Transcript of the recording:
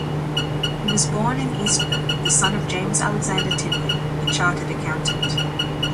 He was born in Eastbourne, the son of James Alexander Tinling, a chartered accountant.